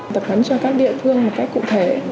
tập hấn cho các địa phương một cách cụ thể